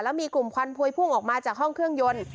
แล้วมีกลุ่มควันพวยพุ่งออกมาจากห้องเครื่องยนต์